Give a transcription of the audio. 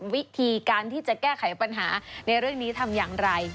วิธีการที่จะแก้ไขปัญหาในเรื่องนี้ทำอย่างไร